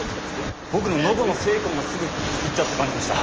僕の喉の精根がすぐ尽きちゃった感じでした。